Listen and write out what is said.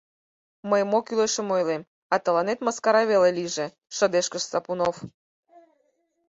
— Мый мо кӱлешым ойлем, а тыланет мыскара веле лийже, — шыдешкыш Сапунов.